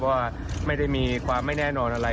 ว่าไม่ได้มีความไม่แน่นอนอะไร